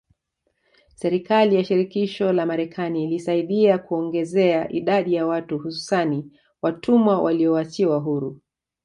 Serikali ya shirikisho la marekani ilisaidia kuiongezea idadi ya watu hususani watumwa walioachiwa huru